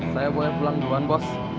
saya boleh pulang duluan bos